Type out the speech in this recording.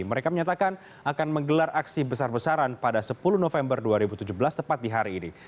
mereka menyatakan akan menggelar aksi besar besaran pada sepuluh november dua ribu tujuh belas tepat di hari ini